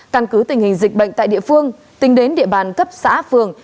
căn cứ tình hình dịch bệnh tại địa phương tính đến địa bàn cấp xã phường